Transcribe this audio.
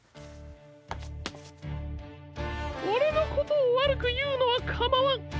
オレのことをわるくいうのはかまわん。